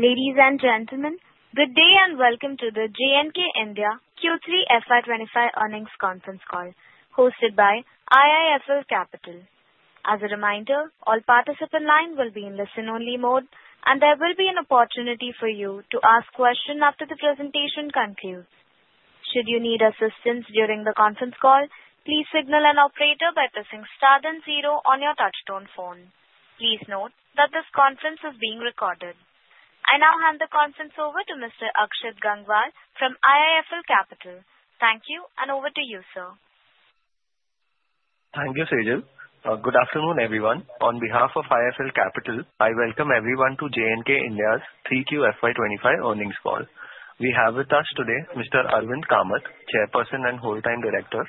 Ladies and gentlemen, good day and welcome to the JNK India Q3 FY 2025 earnings conference call hosted by IIFL Capital. As a reminder, all participants line will be in listen-only mode, and there will be an opportunity for you to ask questions after the presentation concludes. Should you need assistance during the conference call, please signal an operator by pressing star then zero on your touchtone phone. Please note that this conference is being recorded. I now hand the conference over to Mr. Akshit Gangwal from IIFL Capital. Thank you, and over to you, sir. Thank you, Sejal. Good afternoon, everyone. On behalf of IIFL Capital, I welcome everyone to JNK India's Q3 FY 2025 earnings call. We have with us today Mr. Arvind Kamath, Chairperson and Whole-Time Director,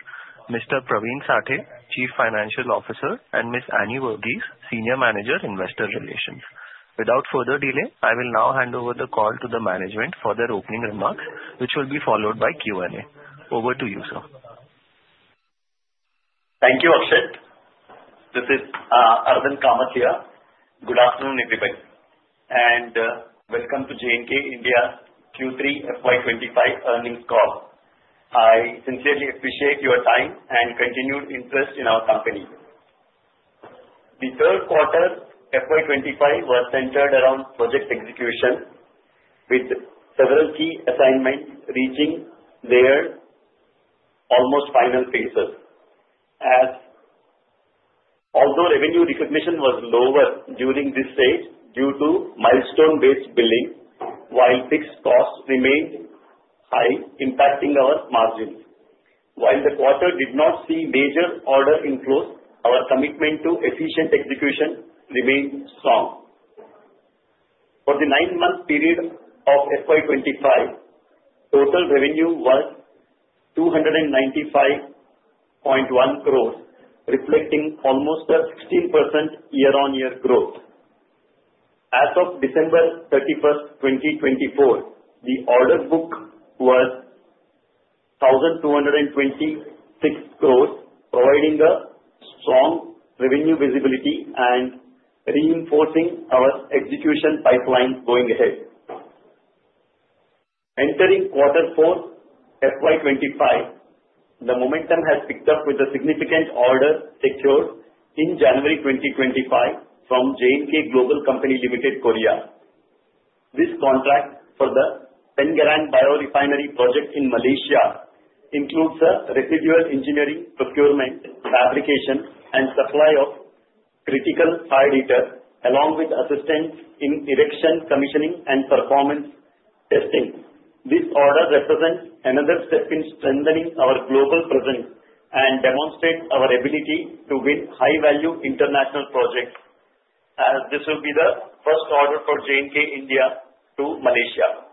Mr. Pravin Sathe, Chief Financial Officer, and Ms. Annie Varghese, Senior Manager, Investor Relations. Without further delay, I will now hand over the call to the management for their opening remarks, which will be followed by Q&A. Over to you, sir. Thank you, Akshit. This is Arvind Kamath here. Good afternoon, everyone, and welcome to JNK India's Q3 FY2025 earnings call. I sincerely appreciate your time and continued interest in our company. The third quarter FY2025 was centered around project execution, with several key assignments reaching their almost final phases, as although revenue recognition was lower during this stage due to milestone-based billing while fixed costs remained high, impacting our margins. While the quarter did not see major orders enclosed, our commitment to efficient execution remained strong. For the nine-month period of FY2025, total revenue was 295.1 crores, reflecting almost a 16% year-on-year growth. As of December 31, 2024, the order book was 1,226 crores, providing a strong revenue visibility and reinforcing our execution pipeline going ahead. Entering quarter four FY 2025, the momentum has picked up with a significant order secured in January 2025 from JNK Global Co., Ltd., Korea. This contract for the Pengerang biorefinery project in Malaysia includes a residual engineering procurement, fabrication, and supply of critical fired heater, along with assistance in erection, commissioning, and performance testing. This order represents another step in strengthening our global presence and demonstrates our ability to win high-value international projects, as this will be the first order for JNK India to Malaysia.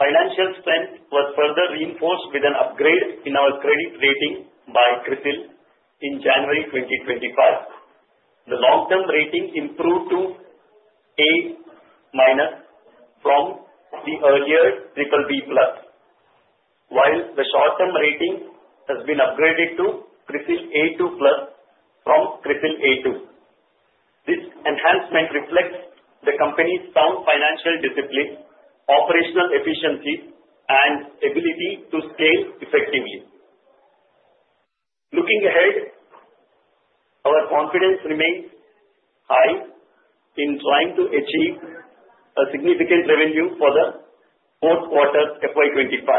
Financial strength was further reinforced with an upgrade in our credit rating by CRISIL in January 2025. The long-term rating improved to A- from the earlier BBB+, while the short-term rating has been upgraded to CRISIL A2+ from CRISIL A2. This enhancement reflects the company's sound financial discipline, operational efficiency, and ability to scale effectively. Looking ahead, our confidence remains high in trying to achieve a significant revenue for the fourth quarter FY 2025,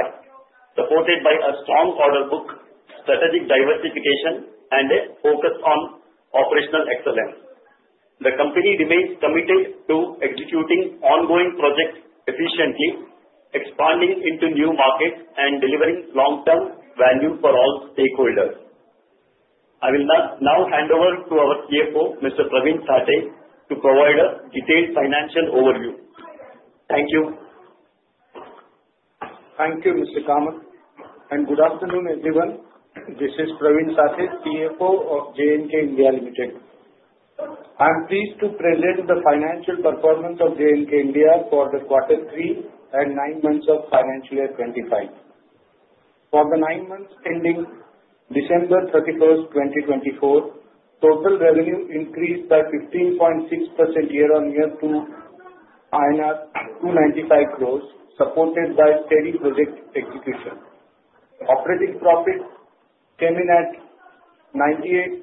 supported by a strong order book, strategic diversification, and a focus on operational excellence. The company remains committed to executing ongoing projects efficiently, expanding into new markets, and delivering long-term value for all stakeholders. I will now hand over to our CFO, Mr. Pravin Sathe, to provide a detailed financial overview. Thank you. Thank you, Mr. Kamath. Good afternoon, everyone. This is Pravin Sathe, CFO of JNK India Limited. I'm pleased to present the financial performance of JNK India for the quarter three and nine months of FY 2025. For the nine months ending December 31st, 2024, total revenue increased by 15.6% year-on-year to INR 295 crores, supported by steady project execution. Operating profit came in at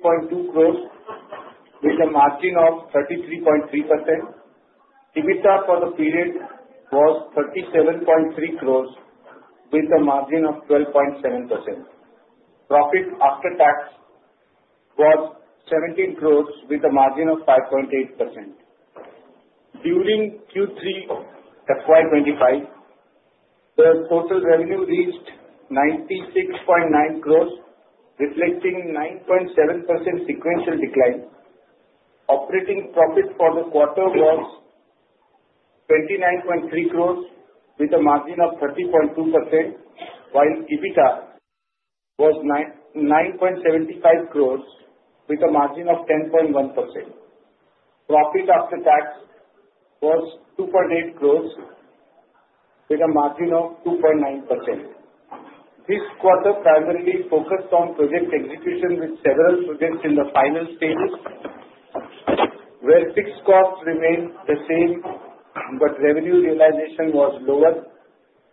98.2 crores, with a margin of 33.3%. EBITDA for the period was 37.3 crores with a margin of 12.7%. Profit after tax was 17 crores with a margin of 5.8%. During Q3 FY 2025, the total revenue reached 96.9 crores, reflecting 9.7% sequential decline. Operating profit for the quarter was 29.3 crores with a margin of 13.2%, while EBITDA was 9.75 crores with a margin of 10.1%. Profit after tax was 2.8 crores. With a margin of 2.9%. This quarter primarily focused on project execution with several projects in the final stages where fixed costs remained the same, but revenue realization was lower,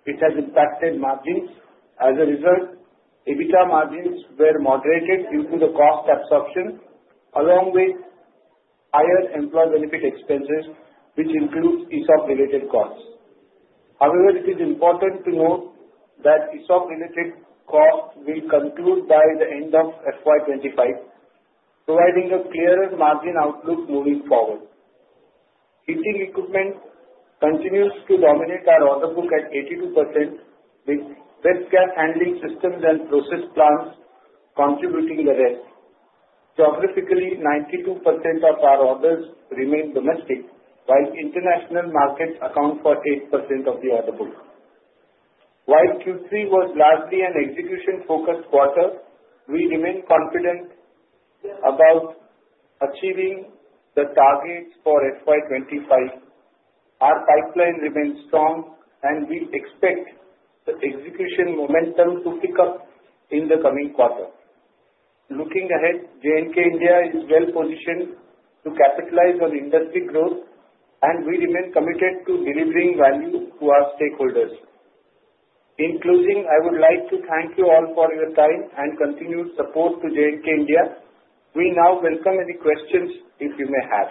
which has impacted margins. As a result, EBITDA margins were moderated due to the cost absorption, along with higher employee benefit expenses, which includes ESOP-related costs. However, it is important to note that ESOP-related costs will conclude by the end of FY 2025, providing a clearer margin outlook moving forward. Heating equipment continues to dominate our order book at 82%, with waste gas handling systems and process plants contributing the rest. Geographically, 92% of our orders remain domestic, while international markets account for 8% of the order book. While Q3 was largely an execution-focused quarter, we remain confident about achieving the targets for FY 2025. Our pipeline remains strong, and we expect the execution momentum to pick up in the coming quarter. Looking ahead, JNK India is well-positioned to capitalize on industry growth, and we remain committed to delivering value to our stakeholders. In closing, I would like to thank you all for your time and continued support to JNK India. We now welcome any questions if you may have.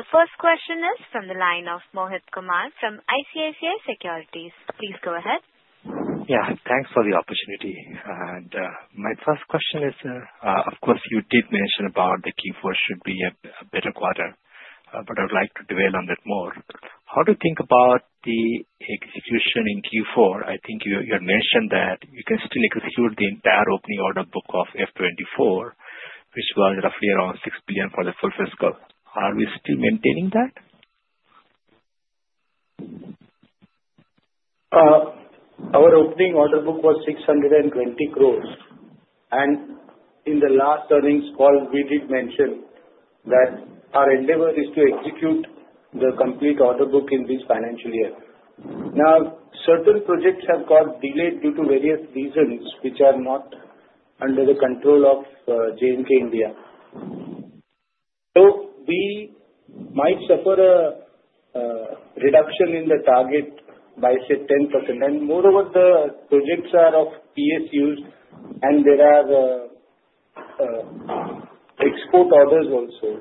The first question is from the line of Mohit Kumar from ICICI Securities. Please go ahead. Yeah. Thanks for the opportunity. My first question is, of course, you did mention about the Q4 should be a better quarter, but I would like to dwell on that more. How do you think about the execution in Q4? I think you had mentioned that you can still execute the entire opening order book of FY 2024, which was roughly around 6 billion for the full fiscal. Are we still maintaining that? Our opening order book was 620 crore. In the last earnings call, we did mention that our endeavor is to execute the complete order book in this financial year. Now, certain projects have got delayed due to various reasons, which are not under the control of JNK India. We might suffer a reduction in the target by, say, 10%. Moreover, the projects are of PSUs, and there are export orders also.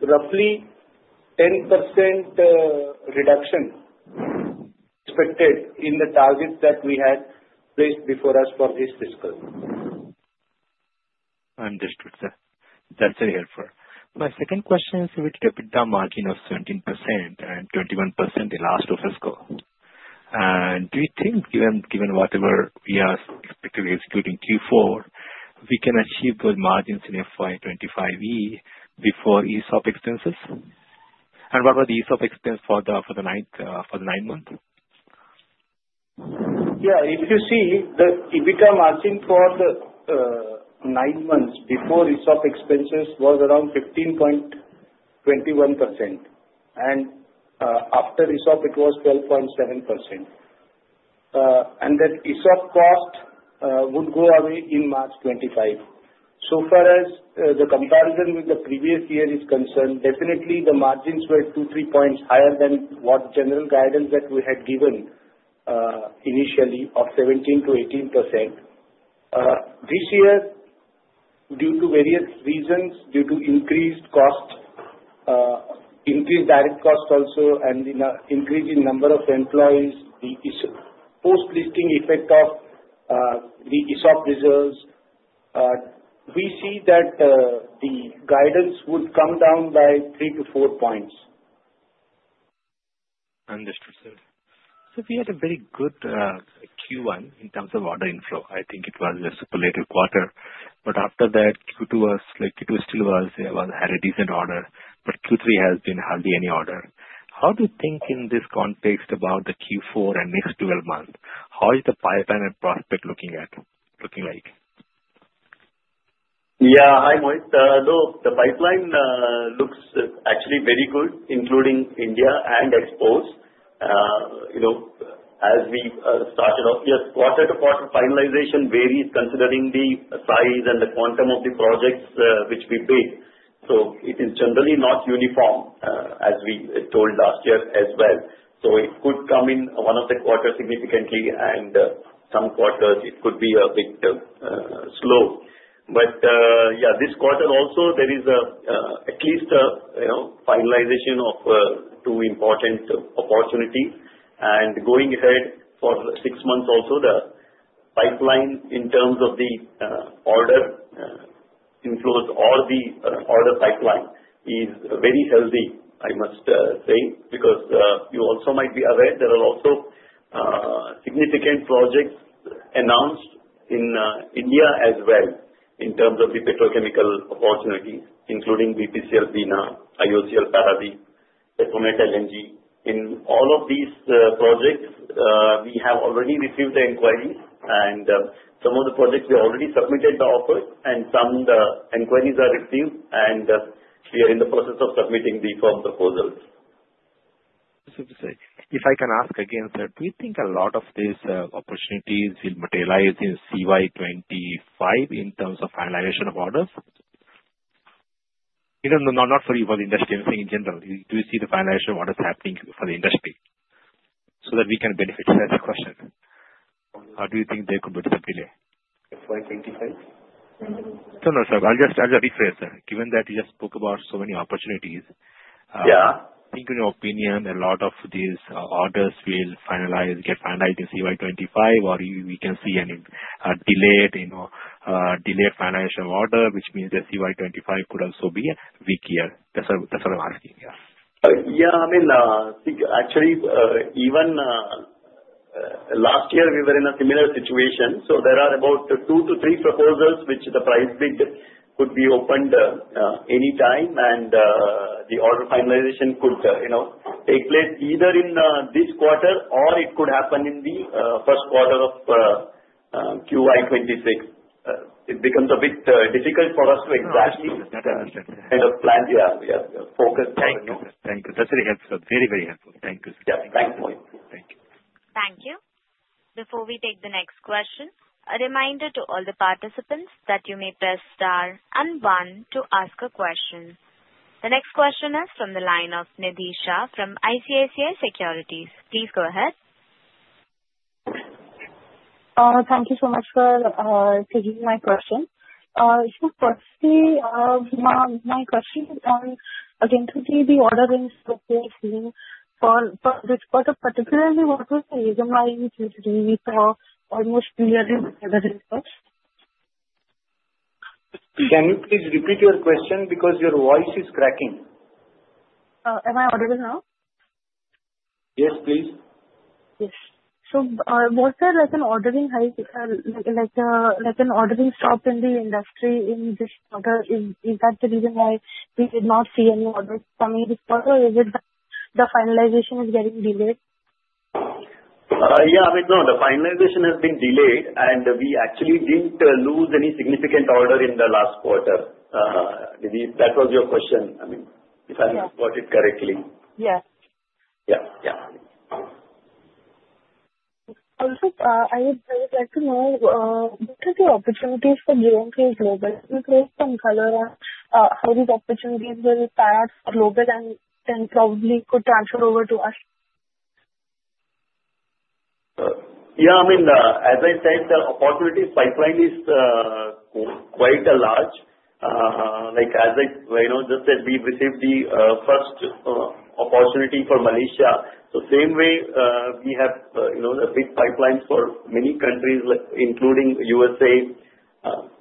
Roughly 10% reduction expected in the targets that we had placed before us for this fiscal. Understood, sir. That's a helper. My second question is with EBITDA margin of 17% and 21% in last of fiscal. Do you think given whatever we are expected to execute in Q4, we can achieve good margins in FY 2025E before ESOP expenses? What were the ESOP expense for the nine months? Yeah. If you see the EBITDA margin for the nine months before ESOP expenses was around 15.21%, and after ESOP it was 12.7%. That ESOP cost would go away in March 2025. Far as the comparison with the previous year is concerned, definitely the margins were two, three points higher than what general guidance that we had given initially of 17%-18%. This year, due to various reasons, due to increased cost, increased direct cost also, and in increasing number of employees, the post-listing effect of the ESOP reserves, we see that the guidance would come down by three to four points. Understood, sir. We had a very good Q1 in terms of order inflow. I think it was a superlative quarter. After that Q2 still had a decent order, but Q3 has been hardly any order. How do you think in this context about the Q4 and next 12 months? How is the pipeline and prospect looking like? Yeah. Hi, Mohit. Look, the pipeline looks actually very good, including India and exports. As we started off, yes, quarter to quarter finalization varies considering the size and the quantum of the projects which we bid. It is generally not uniform as we told last year as well. It could come in one of the quarters significantly and some quarters it could be a bit slow. Yeah, this quarter also, there is at least a finalization of two important opportunity. Going ahead for six months also the Pipeline in terms of the order influence or the order pipeline is very healthy, I must say, because you also might be aware there are also significant projects announced in India as well in terms of the petrochemical opportunity, including BPCL, Bina, IOCL, Paradip, Petronet LNG. In all of these projects, we have already received the inquiries, and some of the projects we already submitted the offers, and some inquiries are received, and we are in the process of submitting the firm proposals. If I can ask again, sir, do you think a lot of these opportunities will materialize in CY 2025 in terms of finalization of orders? Not for your industry, I'm saying in general. Do you see the finalization of orders happening for the industry so that we can benefit? That's the question. Do you think there could be some delay? CY 25? No, sir. I'll just rephrase, sir. Given that you just spoke about so many opportunities- Yeah I think, in your opinion, a lot of these orders will get finalized in CY 25, or we can see a delayed finalization of order, which means that CY 25 could also be a weak year. That's all I'm asking. Yeah. Actually, even last year we were in a similar situation. There are about two to three proposals which the price bid could be opened any time, and the order finalization could take place either in this quarter or it could happen in the first quarter of Q1 2026. It becomes a bit difficult for us to exactly kind of plan. We are focused there. Thank you. That's a very good answer. Very helpful. Thank you, sir. Yeah. Thank you. Thank you. Before we take the next question, a reminder to all the participants that you may press star and one to ask a question. The next question is from the line of Nidhi Shah from ICICI Securities. Please go ahead. Thank you so much, sir, for taking my question. Firstly, my question is on, again, could it be orderings for this quarter particularly, what was the reason why we did not see almost clearly the results? Can you please repeat your question because your voice is cracking? Am I audible now? Yes, please. Yes. Was there like an ordering stop in the industry in this quarter? Is that the reason why we did not see any orders coming this quarter, or is it that the finalization is getting delayed? Yeah. The finalization has been delayed, and we actually didn't lose any significant order in the last quarter. Nidhi Shah, that was your question, if I reported correctly. Yes. Yeah. Also, I would really like to know, what are the opportunities for JNK Global? Can you please some color on how these opportunities will pass JNK Global and then probably could transfer over to us? Yeah. As I said, the opportunity pipeline is quite large. Like Rino just said, we received the first opportunity for Malaysia. Same way, we have a big pipeline for many countries, including USA,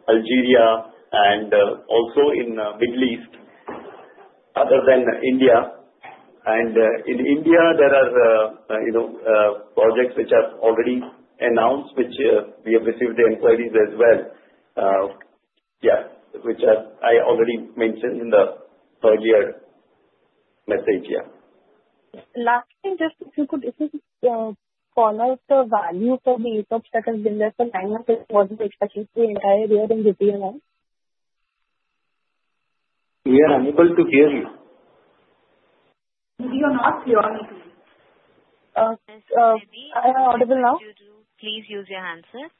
Algeria, and also in Middle East, other than India. In India, there are projects which are already announced, which we have received the inquiries as well, which I already mentioned in the earlier message. Yeah. Last thing, just if you could corner the value for the We are unable to hear you. We are not clear. Am I audible now? Please use your handset.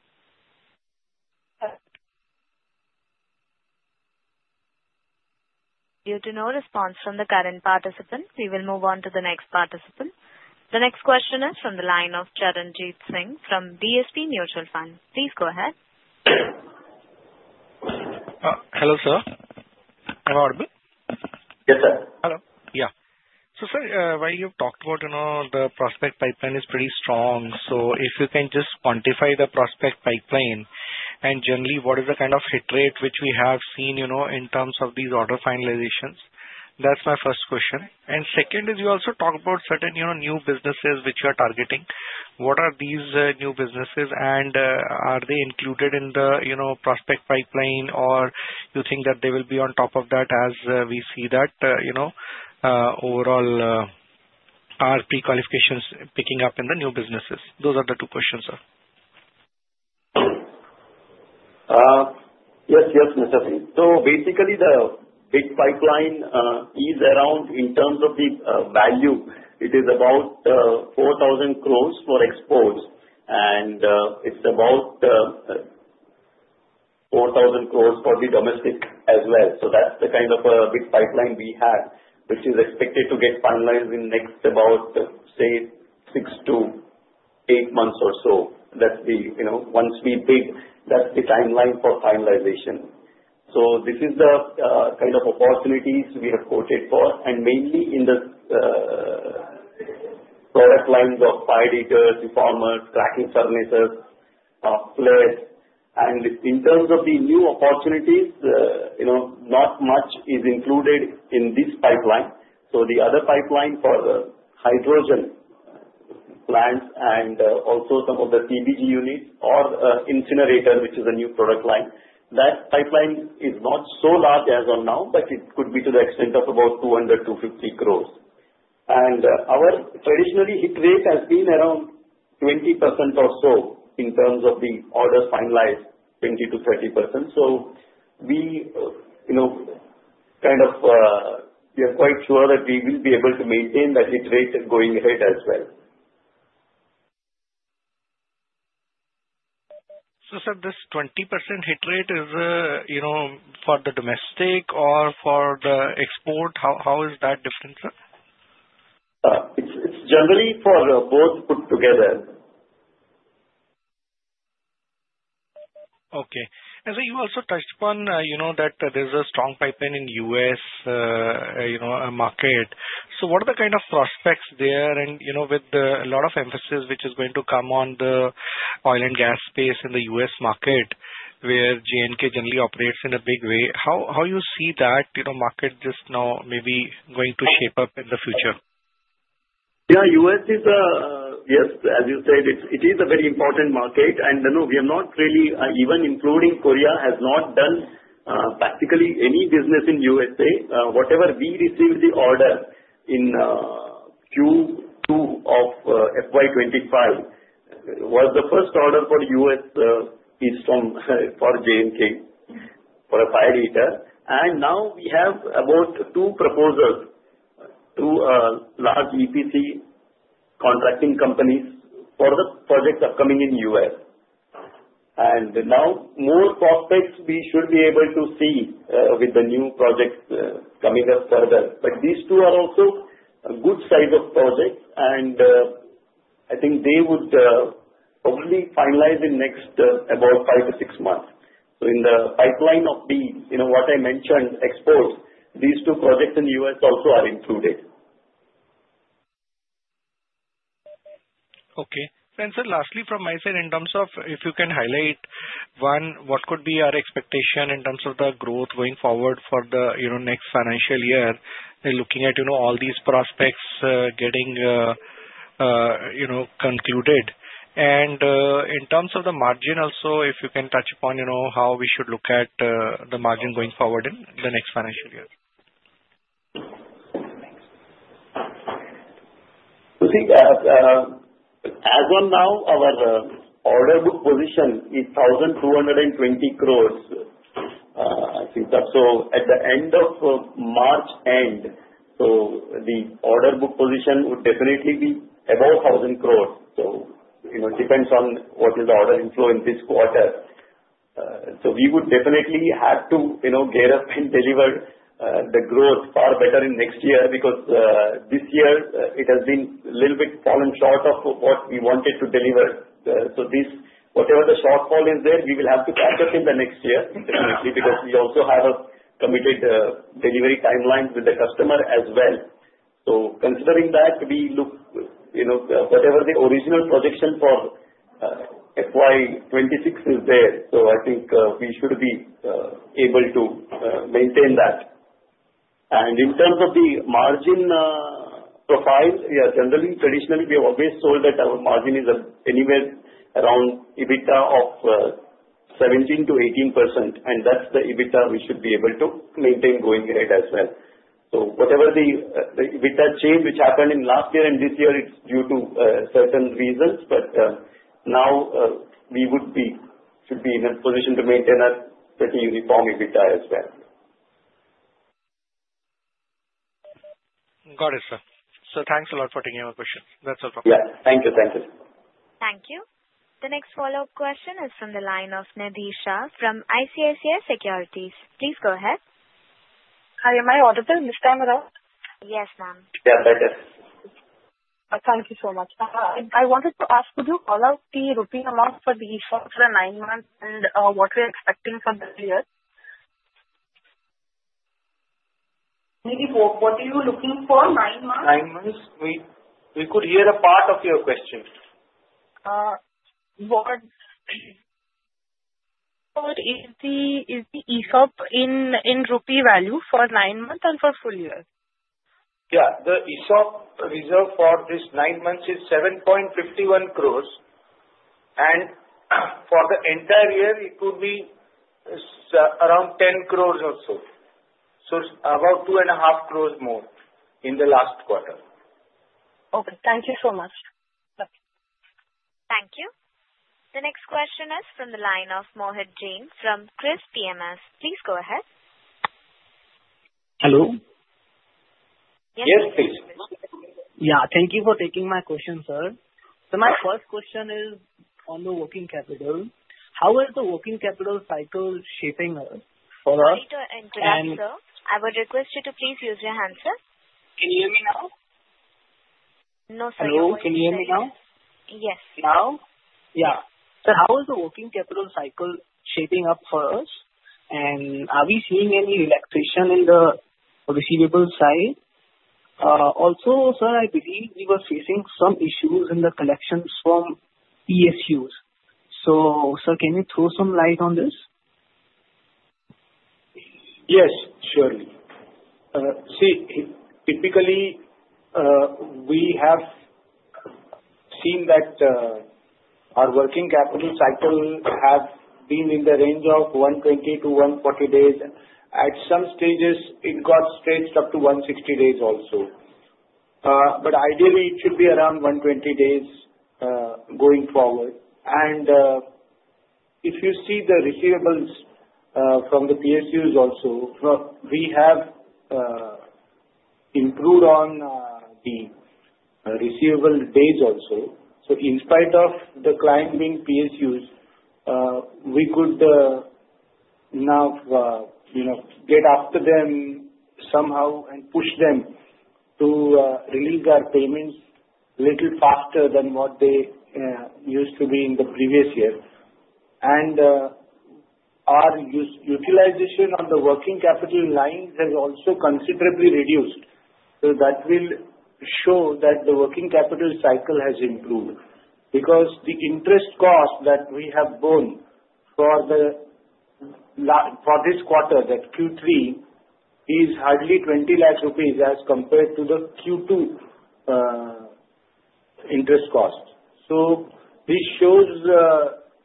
Due to no response from the current participant, we will move on to the next participant. The next question is from the line of Charanjit Singh from DSP Mutual Fund. Please go ahead. Hello, sir. Am I audible? Yes, sir. Hello. Yeah. Sir, while you've talked about the prospect pipeline is pretty strong. If you can just quantify the prospect pipeline, and generally, what is the kind of hit rate which we have seen in terms of these order finalizations? That's my first question. Second is you also talk about certain new businesses which you are targeting. What are these new businesses, and are they included in the prospect pipeline, or you think that they will be on top of that as we see that overall are pre-qualifications picking up in the new businesses? Those are the two questions, sir. Yes, Mr. Singh. Basically, the big pipeline is around in terms of the value. It is about 4,000 crores for exports, and it is about 4,000 crores for the domestic as well. That is the kind of a big pipeline we have, which is expected to get finalized in next about, say, six to eight months or so. Once we bid, that is the timeline for finalization. This is the kind of opportunities we have quoted for, and mainly in the product lines of fired heaters, reformers, cracking furnaces, flares. In terms of the new opportunities, not much is included in this pipeline. The other pipeline for the hydrogen plants and also some of the TGU units or incinerator, which is a new product line, that pipeline is not so large as of now, but it could be to the extent of about 200 to 50 crores. Our traditionally hit rate has been around 20% or so in terms of the orders finalized 20%-30%. We are quite sure that we will be able to maintain that hit rate and going rate as well. Sir, this 20% hit rate is for the domestic or for the export? How is that different, sir? It's generally for both put together. Okay. You also touched upon that there's a strong pipeline in U.S. market. What are the kind of prospects there and, with a lot of emphasis, which is going to come on the oil and gas space in the U.S. market, where JNK generally operates in a big way, how you see that market just now maybe going to shape up in the future? Yeah, U.S. is, yes, as you said, it is a very important market and we have not really, even including Korea, has not done practically any business in U.S.A. Whatever we received the order in Q2 of FY 2025 was the first order for U.S. based on for JNK for a fired heater. Now we have about two proposals, two large EPC contracting companies for the projects upcoming in U.S. Now more prospects we should be able to see with the new projects coming up further. These two are also a good size of projects, and I think they would probably finalize in next about five to six months. In the pipeline of the, what I mentioned, exports, these two projects in U.S. also are included. Okay. Sir, lastly from my side, in terms of if you can highlight, one, what could be our expectation in terms of the growth going forward for the next financial year, looking at all these prospects getting concluded. In terms of the margin also, if you can touch upon how we should look at the margin going forward in the next financial year. You see, as on now, our order book position is 1,220 crore. I think that at the end of March end, the order book position would definitely be above 1,000 crore. It depends on what is the order inflow in this quarter. We would definitely have to gear up and deliver the growth far better in next year because this year it has been a little bit fallen short of what we wanted to deliver. Whatever the shortfall is there, we will have to catch up in the next year, definitely, because we also have a committed delivery timeline with the customer as well. Considering that, whatever the original projection for FY 2026 is there, I think we should be able to maintain that. In terms of the margin profile, yeah, generally, traditionally, we have always told that our margin is anywhere around EBITDA of 17% - 18%. That's the EBITDA we should be able to maintain going rate as well. Whatever the EBITDA change which happened in last year and this year, it's due to certain reasons, but now we should be in a position to maintain a pretty uniform EBITDA as well. Got it, sir. Thanks a lot for taking our questions. That's all from my side. Yeah. Thank you. Thank you. The next follow-up question is from the line of Nidhi Shah from ICICI Securities. Please go ahead. Hi, am I audible this time around? Yes, ma'am. Yeah, better. Thank you so much. I wanted to ask, could you follow up the rupee amount for the ESOP for nine months and what we're expecting from this year? Nidhi, what were you looking for nine months? Nine months. We could hear a part of your question. What is the ESOP in INR value for nine months and for full year? Yeah. The ESOP reserve for this nine months is 7.51 crores. For the entire year, it could be around 10 crores or so. It's about two and a half crores more in the last quarter. Okay. Thank you so much. Thank you. The next question is from the line of Mohit Jain from CRIS PMS. Please go ahead. Hello. Yes, please. Yeah. Thank you for taking my question, sir. My first question is on the working capital. How is the working capital cycle shaping up for us? Sorry to interrupt, sir. I would request you to please use your handset. Can you hear me now? No, sir. Hello. Can you hear me now? Yes. Now? Yeah. How is the working capital cycle shaping up for us? Are we seeing any relaxation in the receivables side? Also, sir, I believe we were facing some issues in the collections from PSUs. Sir, can you throw some light on this? Yes, surely. See, typically, we have seen that our working capital cycle has been in the range of 120 to 140 days. At some stages, it got stretched up to 160 days also. Ideally, it should be around 120 days going forward. If you see the receivables from the PSUs also, we have improved on the receivable days also. In spite of the client being PSUs, we could now get after them somehow and push them to release our payments little faster than what they used to be in the previous year. Our utilization on the working capital lines has also considerably reduced. That will show that the working capital cycle has improved. The interest cost that we have borne for this quarter, that Q3, is hardly 20 lakh rupees as compared to the Q2 interest cost. This shows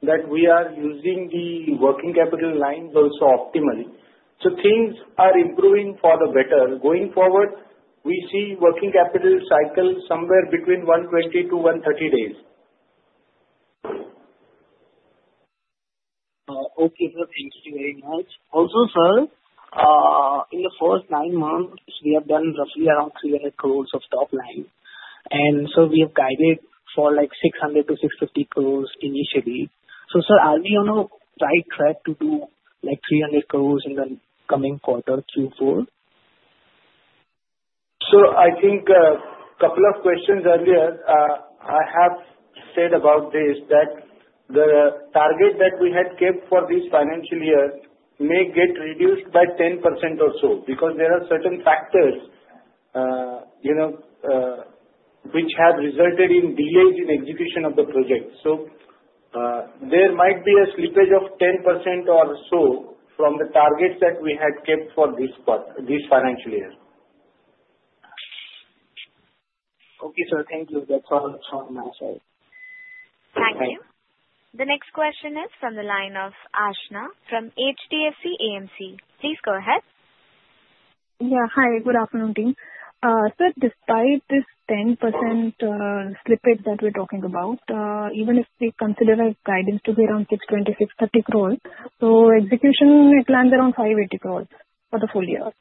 that we are using the working capital lines also optimally. Things are improving for the better. Going forward, we see working capital cycle somewhere between 120 to 130 days. Okay, sir. Thank you very much. Sir, in the first nine months, we have done roughly around 300 crores of top line. We have guided for 600-650 crores initially. Sir, are we on a right track to do 300 crores in the coming Q4? I think couple of questions earlier, I have said about this, that the target that we had kept for this financial year may get reduced by 10% or so, because there are certain factors which have resulted in delays in execution of the project. There might be a slippage of 10% or so from the targets that we had kept for this financial year. Okay, sir. Thank you. That's all from my side. Thank you. The next question is from the line of Aashna from HDFC AMC. Please go ahead. Yeah. Hi, good afternoon, team. Sir, despite this 10% slippage that we're talking about, even if we consider our guidance to be around 620-630 crore, so execution we planned around 580 crore for the full year.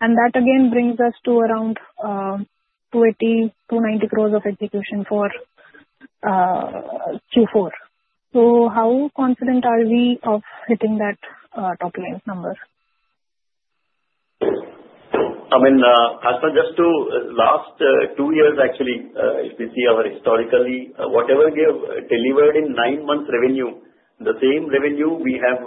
That again brings us to around 280-290 crore of execution for Q4. How confident are we of hitting that top line number? Aashna, just to last two years actually, if we see our historically, whatever we have delivered in nine months revenue, the same revenue we have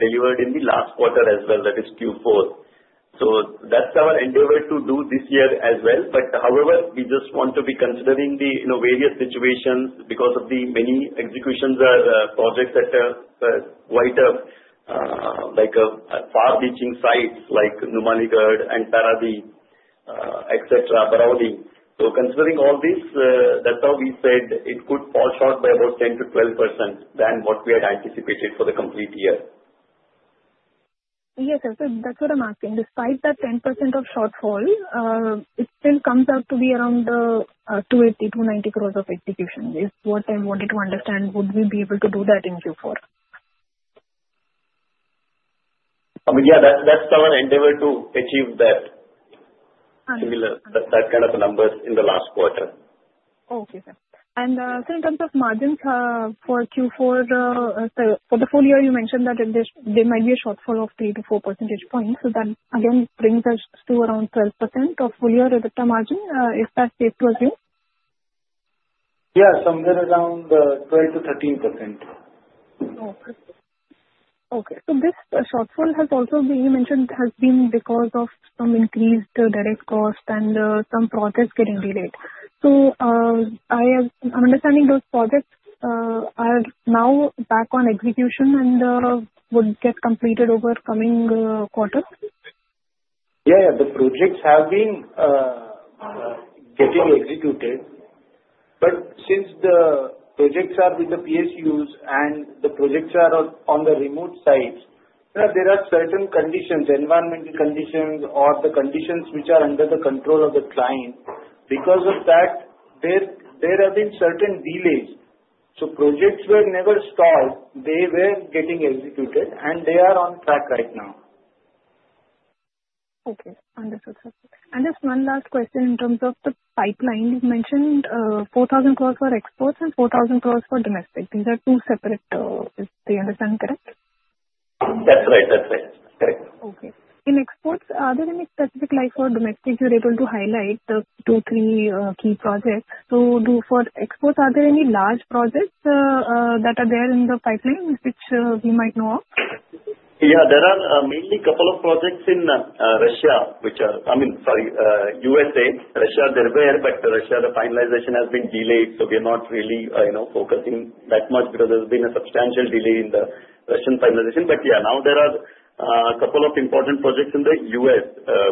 delivered in the last quarter as well, that is Q4. That's our endeavor to do this year as well. However, we just want to be considering the various situations because of the many executions projects that are quite far-reaching sites like Numaligarh and Paradip, et cetera, Barauni. Considering all this, that's how we said it could fall short by about 10%-12% than what we had anticipated for the complete year. Yes, sir. That's what I'm asking. Despite that 10% of shortfall, it still comes out to be around 280 crore-290 crore of execution. Is what I wanted to understand, would we be able to do that in Q4? Yeah, that's our endeavor to achieve that. Okay. Similar, that kind of numbers in the last quarter. Okay, sir. Sir, in terms of margins for Q4, for the full year, you mentioned that there might be a shortfall of three to four percentage points. That again brings us to around 12% of full year EBITDA margin. Is that safe to assume? Somewhere around 12%-13%. Okay. This shortfall has also been mentioned because of some increased direct cost and some projects getting delayed. I am understanding those projects are now back on execution and would get completed over coming quarters? Since the projects have been getting executed, since the projects are with the PSUs and the projects are on the remote sites. There are certain conditions, environmental conditions, or the conditions which are under the control of the client. Because of that, there have been certain delays. Projects were never stalled. They were getting executed, and they are on track right now. Okay. Understood, sir. Just one last question in terms of the pipeline. You mentioned 4,000 crore for exports and 4,000 crore for domestic. These are two separate, is the understanding correct? That's right. Okay. In exports, are there any specific like for domestic you're able to highlight the two, three key projects. For exports, are there any large projects that are there in the pipeline which we might know of? There are mainly couple of projects in Russia, I mean, sorry, U.S. Russia, they're there, but Russia, the finalization has been delayed, so we are not really focusing that much because there's been a substantial delay in the Russian finalization. Now there are a couple of important projects in the U.S.,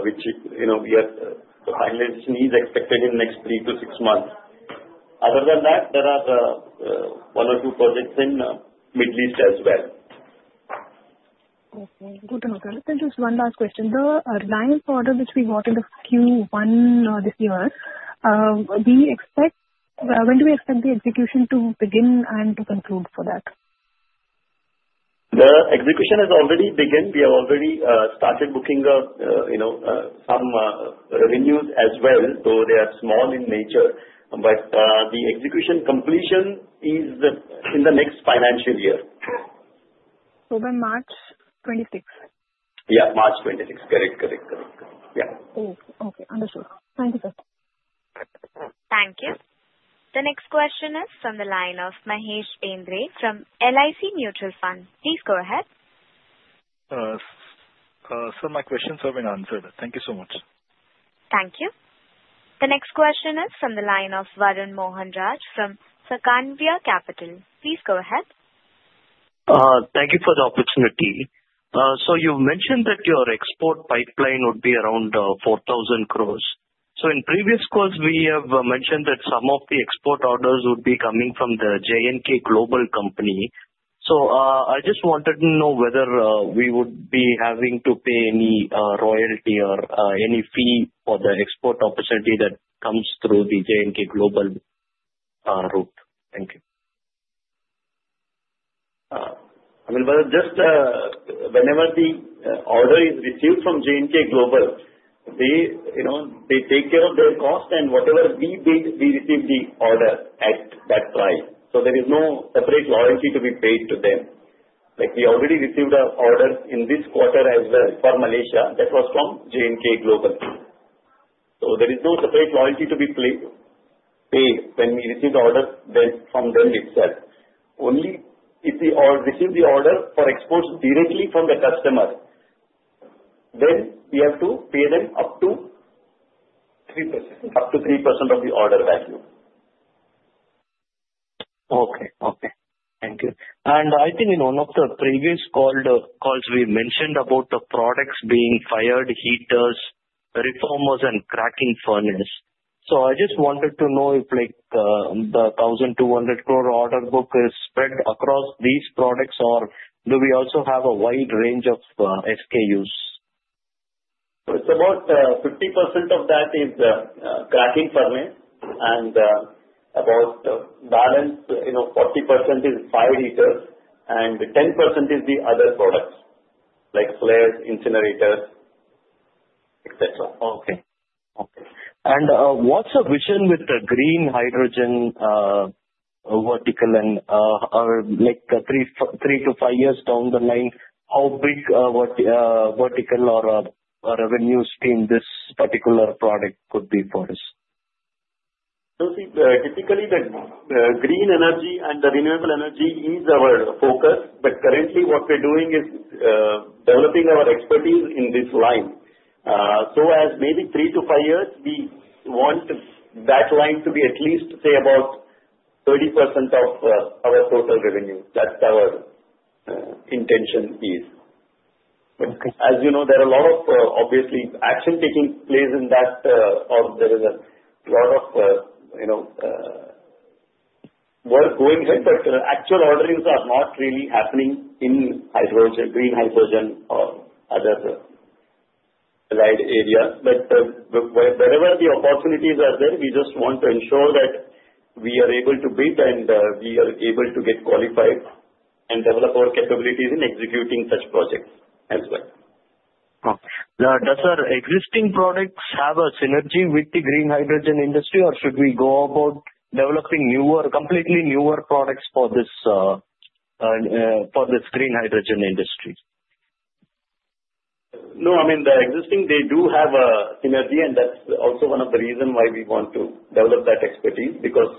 which the finalization is expected in next three to six months. Other than that, there are one or two projects in Middle East as well. Okay. Good to know. Sir, just one last question. The lines order which we got in the Q1 this year, when do we expect the execution to begin and to conclude for that? The execution has already begun. We have already started booking some revenues as well, though they are small in nature. The execution completion is in the next financial year. By March 2026? Yeah, March 26. Correct. Okay. Understood. Thank you, sir. Thank you. The next question is from the line of Mahesh Bendre from LIC Mutual Fund. Please go ahead. Sir, my questions have been answered. Thank you so much. Thank you. The next question is from the line of Varun Mohanraj from Sakavia Capital. Please go ahead. Thank you for the opportunity. You mentioned that your export pipeline would be around 4,000 crore. In previous calls, we have mentioned that some of the export orders would be coming from the JNK Global company. I just wanted to know whether we would be having to pay any royalty or any fee for the export opportunity that comes through the JNK Global route. Thank you. I mean, just whenever the order is received from JNK Global, they take care of their cost and whatever we bid, we receive the order at that price. There is no separate royalty to be paid to them. We already received our orders in this quarter as well for Malaysia, that was from JNK Global. There is no separate royalty to be paid when we receive the order from them itself. Only if we receive the order for exports directly from the customer, then we have to pay them up to. 3%. Up to 3% of the order value. Okay. Thank you. I think in one of the previous calls we mentioned about the products being fired heaters, reformers, and cracking furnaces. I just wanted to know if the 1,200 crore order book is spread across these products, or do we also have a wide range of SKUs? It's about 50% of that is cracking furnace and about balance, 40% is fired heaters and 10% is the other products like flares, incinerators, et cetera. Okay. What's your vision with the green hydrogen vertical and, like three to five years down the line, how big a vertical or a revenue stream this particular product could be for us? Typically the green energy and the renewable energy is our focus, but currently what we're doing is developing our expertise in this line. As maybe three to five years, we want that line to be at least, say about 30% of our total revenue. That's our intention is. Okay. As you know, there are a lot of obviously action taking place in that, or there is a lot of work going on, but actual orderings are not really happening in green hydrogen or other allied areas. Wherever the opportunities are there, we just want to ensure that we are able to bid and we are able to get qualified and develop our capabilities in executing such projects as well. Okay. Does our existing products have a synergy with the green hydrogen industry, or should we go about developing completely newer products for this green hydrogen industry? No, I mean, the existing, they do have a synergy, and that's also one of the reason why we want to develop that expertise because,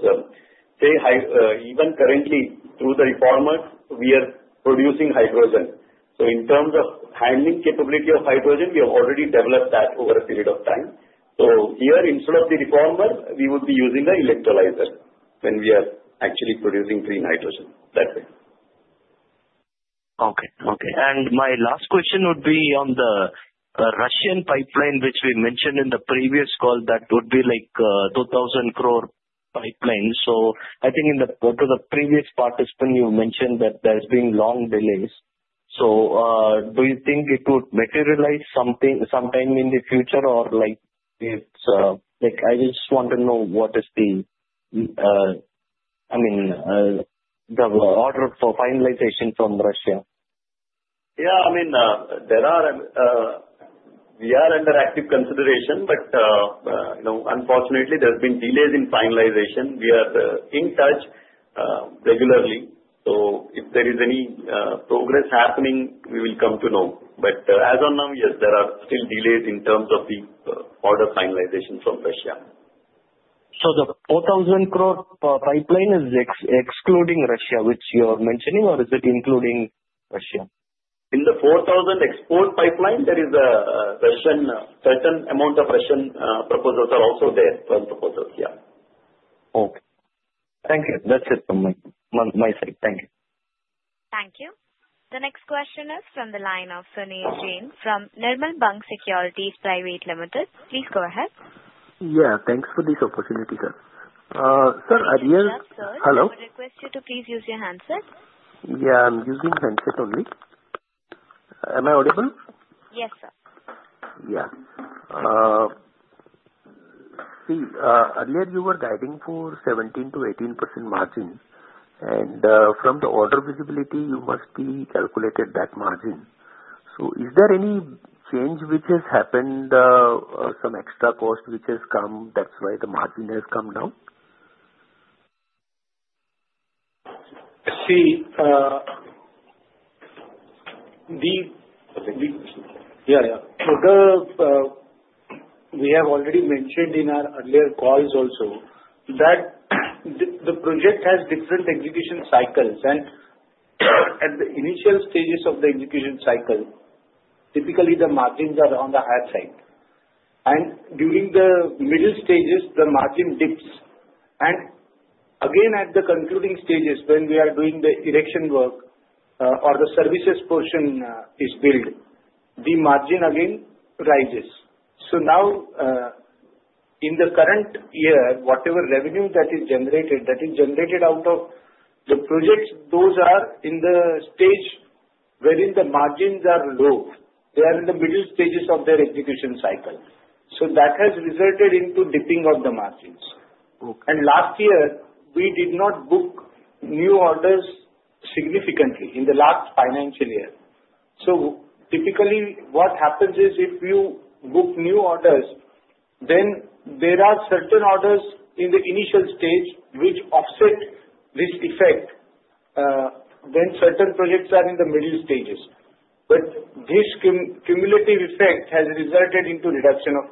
say, even currently through the reformers, we are producing hydrogen. In terms of handling capability of hydrogen, we have already developed that over a period of time. Here, instead of the reformer, we would be using the electrolyzer when we are actually producing green hydrogen that way. Okay. My last question would be on the Russian pipeline, which we mentioned in the previous call that would be like 2,000 crore pipeline. I think to the previous participant, you mentioned that there's been long delays. Do you think it would materialize sometime in the future or like, I just want to know what is the order for finalization from Russia? Yeah, I mean, We are under active consideration. Unfortunately, there have been delays in finalization. We are in touch regularly. If there is any progress happening, we will come to know. As of now, yes, there are still delays in terms of the order finalization from Russia. The 4,000 crore pipeline is excluding Russia, which you are mentioning, or is it including Russia? In the 4,000 export pipeline, there is a certain amount of Russian proposals also there. Some proposals, yeah. Okay. Thank you. That's it from my side. Thank you. Thank you. The next question is from the line of Sunil Jain from Nirmal Bang Securities Private Limited. Please go ahead. Yeah, thanks for this opportunity, sir. Sorry to interrupt, sir. Hello. I would request you to please use your handset. Yeah, I'm using handset only. Am I audible? Yes, sir. Yeah. Earlier you were guiding for 17%-18% margin. From the order visibility, you must have calculated that margin. Is there any change which has happened, or some extra cost which has come, that's why the margin has come down? We have already mentioned in our earlier calls also that the project has different execution cycles. At the initial stages of the execution cycle, typically the margins are on the higher side. During the middle stages, the margin dips. Again, at the concluding stages, when we are doing the erection work or the services portion is billed, the margin again rises. Now, in the current year, whatever revenue that is generated, that is generated out of the projects, those are in the stage wherein the margins are low. They are in the middle stages of their execution cycle. That has resulted in the dipping of the margins. Okay. Last year, we did not book new orders significantly in the last financial year. Typically, what happens is, if you book new orders, then there are certain orders in the initial stage which offset this effect when certain projects are in the middle stages. This cumulative effect has resulted in the reduction of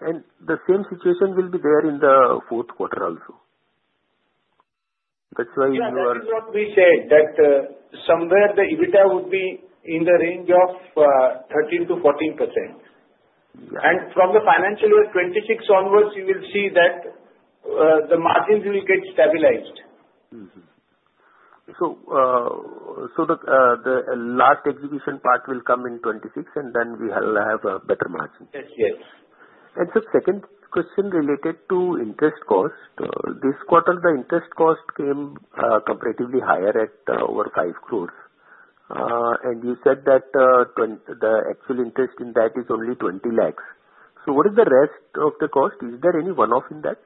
margin. The same situation will be there in the fourth quarter also. Yeah, that is what we said, that somewhere the EBITDA would be in the range of 13%-14%. Right. From the financial year 2026 onwards, you will see that the margins will get stabilized. Mm-hmm. The last execution part will come in 2026, and then we'll have a better margin. Yes, yes. Sir, second question related to interest cost. This quarter, the interest cost came comparatively higher at over 5 crore. You said that the actual interest in that is only 20 lakh. What is the rest of the cost? Is there any one-off in that?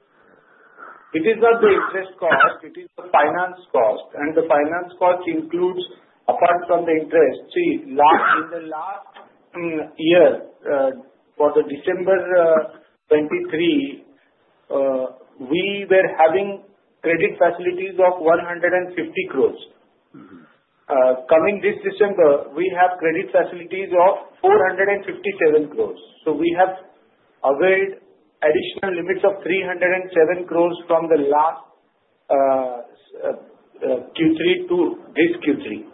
It is not the interest cost, it is the finance cost. The finance cost includes, apart from the interest. See, in the last year, for December 2023, we were having credit facilities of 150 crore. Coming this December, we have credit facilities of 457 crore. We have availed additional limits of 307 crore from the last Q3 to this Q3.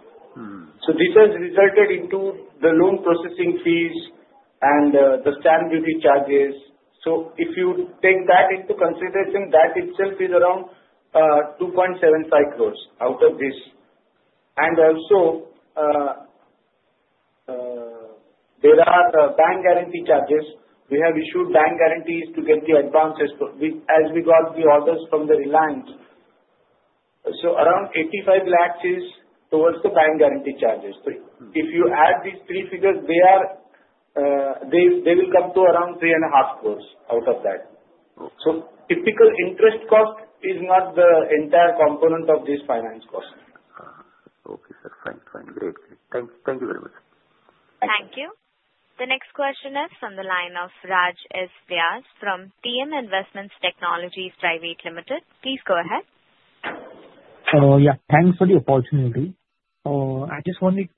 This has resulted in the loan processing fees and the stamp duty charges. If you take that into consideration, that itself is around 2.75 crore out of this. Also, there are bank guarantee charges. We have issued bank guarantees to get the advances as we got the orders from Reliance. Around 85 lakh is towards the bank guarantee charges. If you add these three figures, they will come to around 3.5 crore out of that. Okay. Typical interest cost is not the entire component of this finance cost. Okay, sir. Fine. Great. Thank you very much. Thank you. The next question is from the line of Raj Vyas from TM Investment Technologies Private Limited. Please go ahead. Yeah, thanks for the opportunity. I just wanted to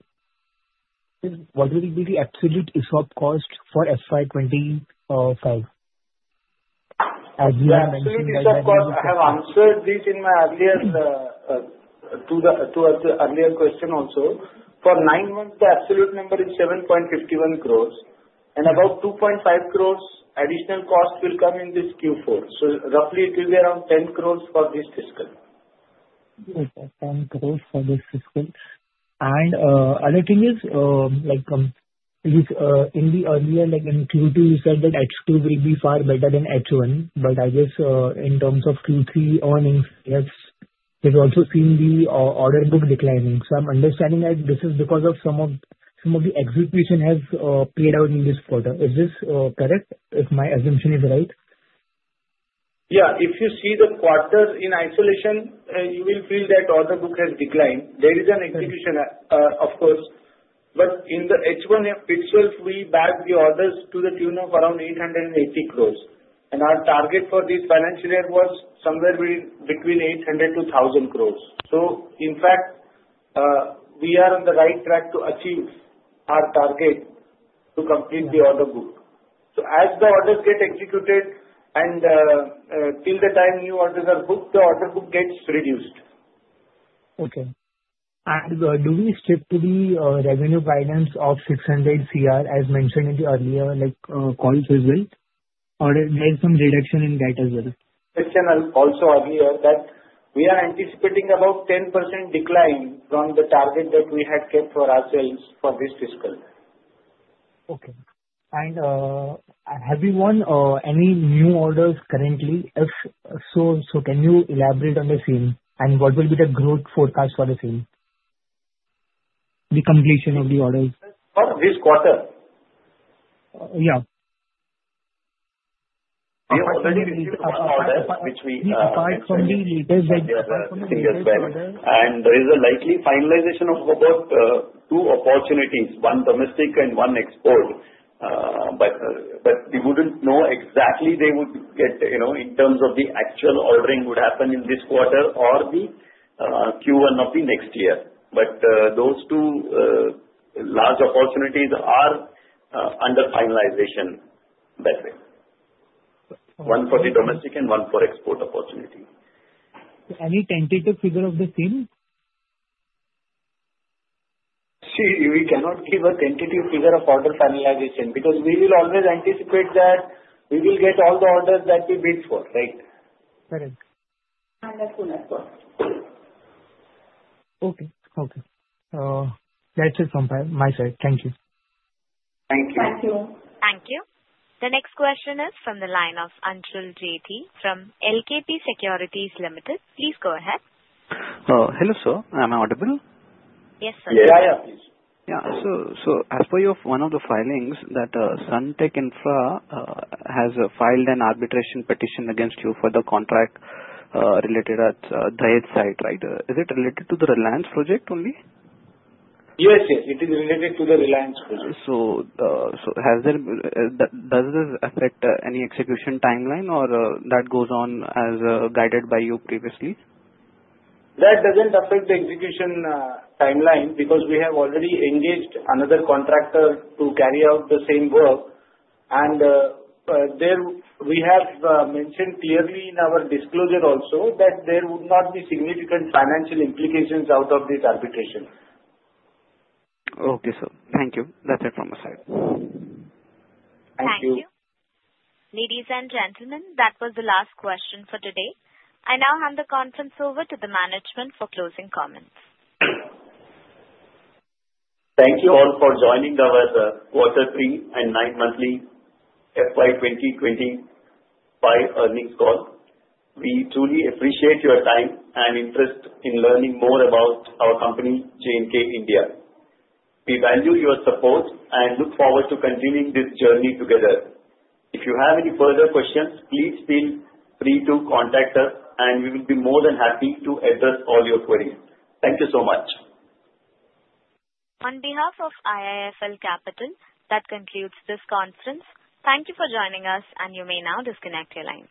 know what will be the absolute ESOP cost for FY 2025. As you have mentioned. The absolute ESOP cost, I have answered this to the earlier question also. For nine months, the absolute number is 7.51 crores, and about 2.5 crores additional cost will come in this Q4. Roughly, it will be around 10 crores for this fiscal. Okay. 10 crores for this fiscal. Other thing is, in the earlier, like in Q2, you said that H2 will be far better than H1. I guess in terms of Q3 earnings, we've also seen the order book declining. I'm understanding that this is because some of the execution has played out in this quarter. Is this correct? Is my assumption right? Yeah, if you see the quarters in isolation, you will feel that order book has declined. There is an execution, of course, but in the H1 itself, we bagged the orders to the tune of around 880 crore. Our target for this financial year was somewhere between 800 crore-1,000 crore. In fact, we are on the right track to achieve our target to complete the order book. As the orders get executed and till the time new orders are booked, the order book gets reduced. Okay. Do we stick to the revenue guidance of 600 crore as mentioned in the earlier calls result or is there some reduction in that as well? Earlier that we are anticipating about 10% decline from the target that we had kept for ourselves for this fiscal. Okay. Have you won any new orders currently? If so, can you elaborate on the same and what will be the growth forecast for the same? The completion of the orders. For this quarter? Yeah. We have already released orders. Aside from the meters orders. There is a likely finalization of about two opportunities, one domestic and one export. We wouldn't know exactly they would get, in terms of the actual ordering would happen in this quarter or the Q1 of the next year. Those two large opportunities are under finalization, that way. One for the domestic and one for export opportunity. Any tentative figure of the same? We cannot give a tentative figure of orders finalization because we will always anticipate that we will get all the orders that we bid for, right? Correct. That's true, of course. Okay. That's it from my side. Thank you. Thank you. Thank you. The next question is from the line of Anshul Jethi from LKP Securities Limited. Please go ahead. Hello, sir. Am I audible? Yes, sir. Yeah. As per your one of the filings that Suntech Infra has filed an arbitration petition against you for the contract related at Dahej site. Is it related to the Reliance project only? Yes. It is related to the Reliance project. Does this affect any execution timeline or that goes on as guided by you previously? That doesn't affect the execution timeline because we have already engaged another contractor to carry out the same work. There we have mentioned clearly in our disclosure also that there would not be significant financial implications out of this arbitration. Okay, sir. Thank you. That's it from my side. Thank you. Thank you. Ladies and gentlemen, that was the last question for today. I now hand the conference over to the management for closing comments. Thank you all for joining our quarterly and nine monthly FY 2025 earnings call. We truly appreciate your time and interest in learning more about our company, JNK India. We value your support and look forward to continuing this journey together. If you have any further questions, please feel free to contact us and we will be more than happy to address all your queries. Thank you so much. On behalf of IIFL Capital, that concludes this conference. Thank you for joining us and you may now disconnect your line.